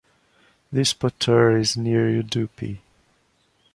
This Puttur is near Udupi.